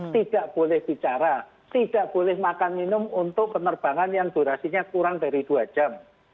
tidak boleh bicara tidak boleh makan minum untuk penerbangan yang durasinya kurang dari dua jam